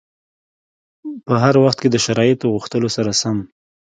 په هر وخت کې د شرایطو غوښتنو سره سم.